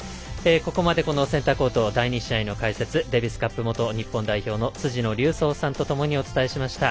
ここまでセンターコート第２試合の解説デビスカップ元日本代表の辻野隆三さんとともにお伝えしました。